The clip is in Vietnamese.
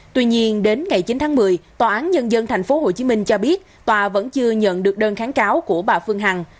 tuy nhiên đến ngày chín tháng một mươi tòa án nhân dân tp hcm cho biết tòa vẫn chưa nhận được đơn kháng cáo của bà phương hằng